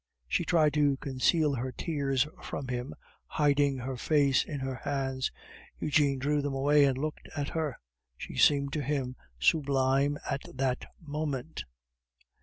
She tried to conceal her tears from him, hiding her face in her hands; Eugene drew them away and looked at her; she seemed to him sublime at that moment.